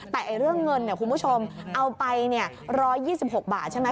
แต่เรื่องเงินเนี่ยคุณผู้ชมเอาไปเนี่ย๑๒๖บาทใช่ไหม